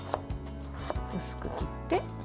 薄く切って。